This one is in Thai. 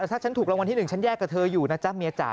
แต่ถ้าฉันถูกรางวัลที่๑ฉันแยกกับเธออยู่นะจ๊ะเมียจ๋า